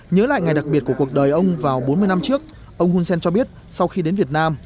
nhớ lại ngày đặc biệt của cuộc đời ông vào bốn mươi năm trước ông hun sen cho biết sau khi đến việt nam